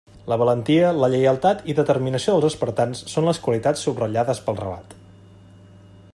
La valentia, la lleialtat i determinació dels espartans són les qualitats subratllades pel relat.